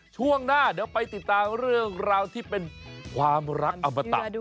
ช่วงหน้าเดี๋ยวไปติดตามเรื่องราวที่เป็นความรักอมตะ